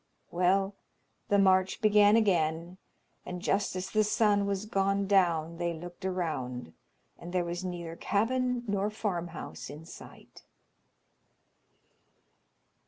Well, the march began again, and just as the sun was gone down they looked around, and there was neither cabin nor farm house in sight.